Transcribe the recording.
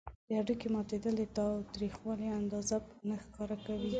د هډوکي ماتیدل د تاوتریخوالي اندازه نه ښکاره کوي.